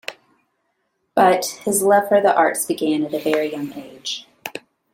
But, his love for the arts began at a very young age.